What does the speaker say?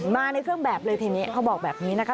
มาในเครื่องแบบเลยทีนี้เขาบอกแบบนี้นะคะ